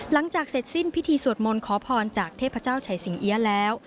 หลังจากเสร็จสิ้นพิธีสวดมนต์ขอพรจากเทพเจ้าชัยสิงเอี๊ยะแล้ว